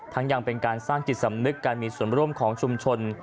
ยังเป็นการสร้างจิตสำนึกการมีส่วนร่วมของชุมชน